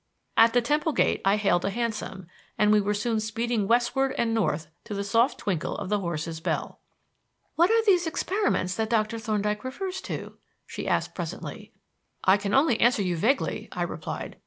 At the Temple gate I hailed a hansom, and we were soon speeding westward and north to the soft twinkle of the horse's bell. "What are these experiments that Doctor Thorndyke refers to?" she asked presently. "I can only answer you vaguely," I replied.